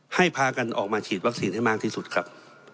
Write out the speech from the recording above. พากันออกมาฉีดวัคซีนให้มากที่สุดครับ